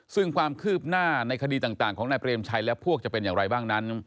ซึ่งความคืบหน้าในคดีต่างของนายเปรมชัยและพวกจะเป็นอย่างไรบ้างนั้น